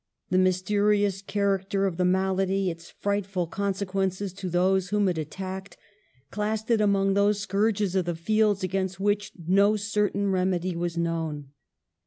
The mysterious charac ter of the malady, its frightful consequences to those whom it attacked, classed it among those scourges of the fields against which no certain remedy was known.